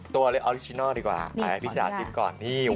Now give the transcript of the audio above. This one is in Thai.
ตัวออริจินอลดีกว่าพี่ชาชิมก่อนนี่อู้ว